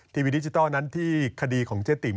ทีวีดิจิทัลนั้นที่คดีของเจ๊ติ๋ม